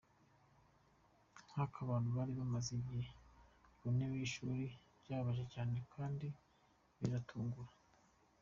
Ngo nk’abantu bari bamaze igihe ku ntebe y’ishuri byababaje cyane kandi birabatungura.